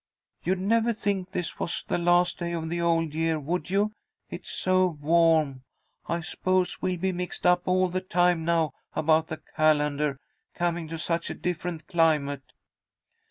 You'd never think this was the last day of the old year, would you, it's so warm. I 'spose we'll be mixed up all the time now about the calendar, coming to such a different climate."